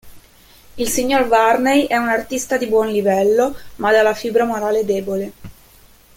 Il signor Varney è un artista di buon livello, ma dalla fibra morale debole.